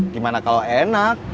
gimana kalau enak